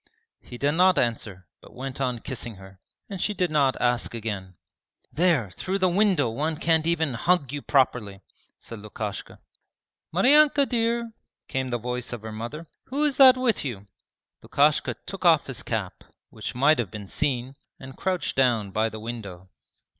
He did not answer but went on kissing her, and she did not ask again. 'There, through the window one can't even hug you properly,' said Lukashka. 'Maryanka dear!' came the voice of her mother, 'who is that with you?' Lukashka took off his cap, which might have been seen, and crouched down by the window.